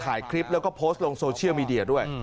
ถ่ายคลิปแล้วก็โพสต์ลงโซเชียลมีเดียด้วย